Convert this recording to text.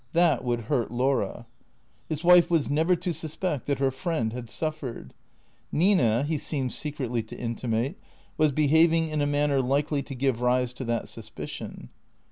That would hurt Laura. His wife was never to suspect that her friend had suffered. Nina, he seemed secretly to intimate, was behaving in a manner likely to give rise to that suspicion.